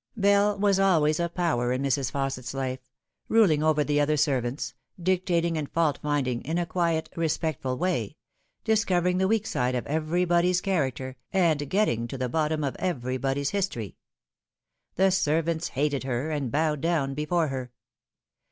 Bell was always a power in Mrs. Fausset's life, ruling over the other servants, dictating and fault finding in a quiet, A Superior Person. 21 respectful way, discovering the weak side of everybody's character, and getting to the bottom of everybody's history. The servants hated her, and bowed down before her.